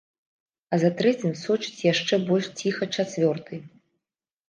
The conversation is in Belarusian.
А за трэцім сочыць яшчэ больш ціха чацвёрты.